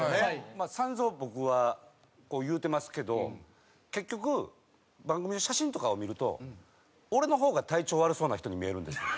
まあ散々僕はこう言うてますけど結局番組の写真とかを見ると俺の方が体調悪そうな人に見えるんですよね。